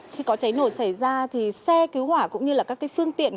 khi có cháy nổ xảy ra thì xe cứu hỏa cũng như là các phương tiện